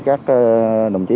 mẹ cho anh hai